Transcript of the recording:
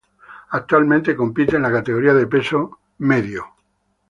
Actualmente compite en la categoría de peso medio en Ultimate Fighting Championship.